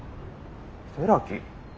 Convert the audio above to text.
寺木？